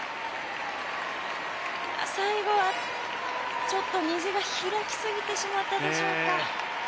最後はちょっと虹が開きすぎてしまったでしょうか。